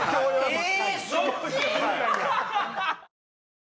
え！